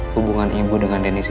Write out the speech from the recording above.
hubungan ibu dengan dennis itu